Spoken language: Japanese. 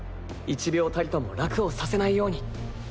１秒たりとも楽をさせないように。